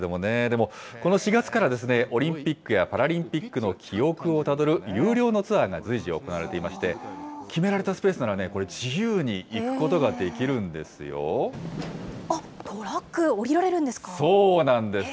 でもこの４月から、オリンピックやパラリンピックの記憶をたどる有料のツアーが随時行われていまして、決められたスペースなら、これ、自由に行くこあっ、トラック、下りられるそうなんです。